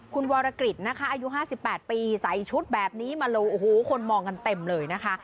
คุณวรกฤษนะคะอายุ๕๘ปีใส่ชุดแบบนี้มาเลยโอ้โหคนมองกันเต็มเลยนะคะ